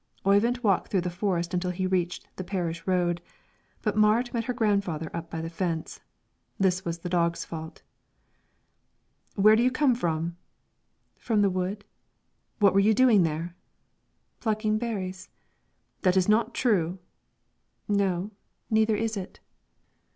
Oyvind walked through the forest until he reached the parish road; but Marit met her grandfather up by the fence. This was the dog's fault. "Where do you come from?" "From the wood." "What were you doing there?" "Plucking berries." "That is not true." "No; neither is it."